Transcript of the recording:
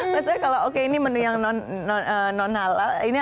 maksudnya kalau oke ini menu yang non muslim gitu ya